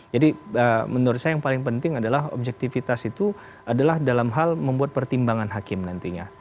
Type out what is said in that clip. jadi menurut saya yang paling penting adalah objektivitas itu adalah dalam hal membuat pertimbangan hakim nantinya